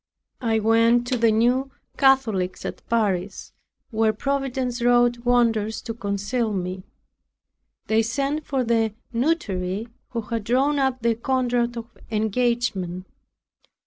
I went to the New Catholics at Paris, where Providence wrought wonders to conceal me. They sent for the notary, who had drawn up the contract of engagement.